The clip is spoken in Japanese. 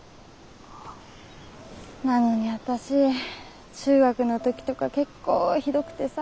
なのに私中学の時とか結構ひどくてさ。